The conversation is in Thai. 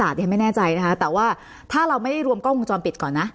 เดี๋ยวไม่แน่ใจนะคะแต่ว่าถ้าเราไม่ได้รวมกล้องวงจรปิดก่อนนะ